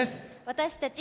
私たち。